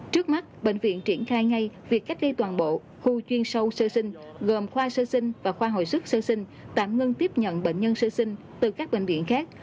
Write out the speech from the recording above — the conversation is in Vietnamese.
trước mắt bệnh viện triển khai ngay việc cách ly toàn bộ khu chuyên sâu sơ sinh gồm khoa sơ sinh và khoa hồi sức sơ sinh tạm ngưng tiếp nhận bệnh nhân sơ sinh từ các bệnh viện khác